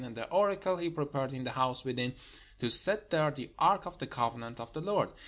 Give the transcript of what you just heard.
And the oracle he prepared in the house within, to set there the ark of the covenant of the Lord.